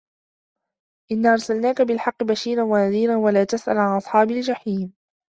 إِنَّا أَرْسَلْنَاكَ بِالْحَقِّ بَشِيرًا وَنَذِيرًا ۖ وَلَا تُسْأَلُ عَنْ أَصْحَابِ الْجَحِيمِ